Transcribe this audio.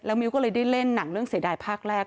มิ้วก็เลยได้เล่นหนังเรื่องเสียดายภาคแรก